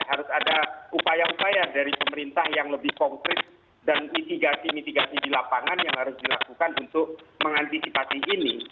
harus ada upaya upaya dari pemerintah yang lebih konkret dan mitigasi mitigasi di lapangan yang harus dilakukan untuk mengantisipasi ini